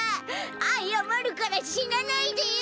あやまるからしなないでよ！